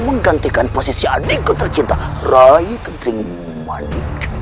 menggantikan posisi adikku tercinta rai ketering mani